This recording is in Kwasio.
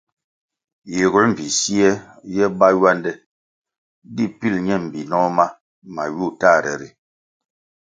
Yiguer mbpi siè ye bá ywande di pil ñe mbinoh ma mayu tahre ri.